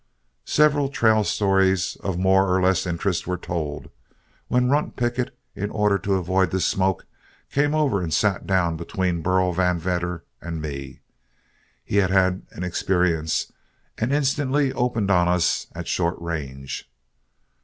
Several trail stories of more or less interest were told, when Runt Pickett, in order to avoid the smoke, came over and sat down between Burl Van Vedder and me. He had had an experience, and instantly opened on us at short range.